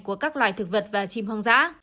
của các loài thực vật và chim hoang dã